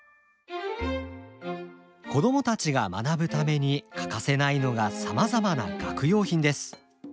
子供たちが学ぶために欠かせないのがさまざまな学用品です。